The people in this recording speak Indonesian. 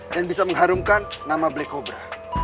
bisa mengharumkan nama black cobra